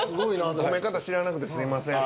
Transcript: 褒め方知らなくてすいません。